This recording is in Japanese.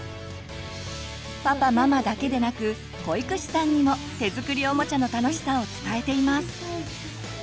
パパママだけでなく保育士さんにも手作りおもちゃの楽しさを伝えています。